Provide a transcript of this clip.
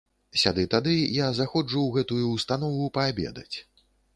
Сяды-тады я заходжу ў гэтую ўстанову паабедаць.